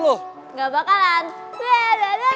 aduh ada orang gak ya